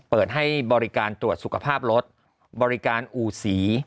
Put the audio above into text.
เปิดให้บริการตรวจสุขภาพรถบริการอูสี